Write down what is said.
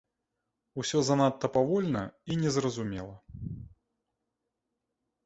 Усё занадта павольна і незразумела.